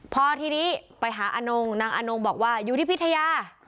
พอทีนี้ไปหาอนงนางอนงบอกว่าอยู่ที่พิทยา